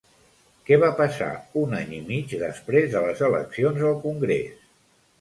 Què va passar un any i mig després de les eleccions al Congrés?